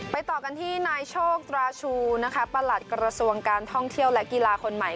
ต่อกันที่นายโชคราชูนะคะประหลัดกระทรวงการท่องเที่ยวและกีฬาคนใหม่